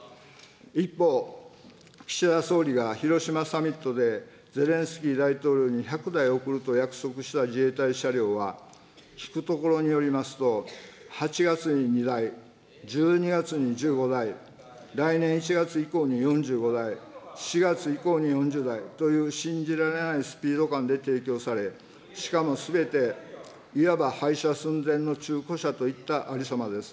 一方、岸田総理が広島サミットでゼレンスキー大統領に１００台贈ると約束した自衛隊車両は、聞くところによりますと、８月に２台、１２月に１５台、来年１月以降に４５台、４月以降に４０台という信じられないスピード感で提供され、しかもすべていわば廃車寸前の中古車といったありさまです。